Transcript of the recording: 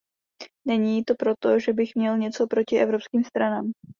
Není to proto, že bych měl něco proti evropským stranám.